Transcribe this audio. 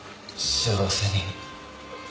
幸せに。